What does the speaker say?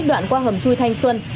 đoạn qua hầm chui thanh xuân